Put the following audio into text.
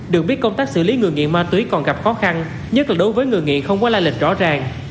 được biết công tác xử lý người nghiện ma túy còn gặp khó khăn nhất là đối với người nghiện không có la lệch rõ ràng